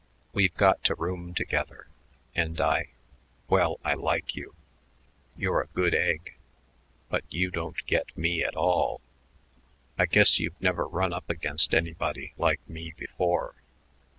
We've got to room together, and I well, I like you. You're a good egg, but you don't get me at all. I guess you've never run up against anybody like me before."